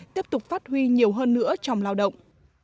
tiếp tục phát huy nhiều hơn nữa trong lao động